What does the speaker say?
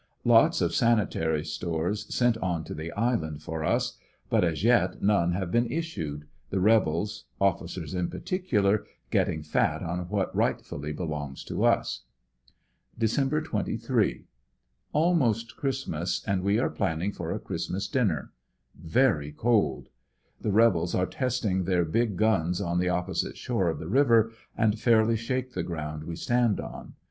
Lots of San itary stores sent on to the island for us, but as yet none have been issued, the rebels (officers in particular), getting fat on what right fully beloutis to us. Dec. 28. — Almost Christmas and we are planning for a Christmas dinner. Yery cold. The rebels are testin^i their bii^ tuns on the opposite shore of the river and fairly shake the ground we stand on.